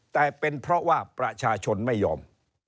แต่เป็นเพราะว่าประชาชนไม่ยอม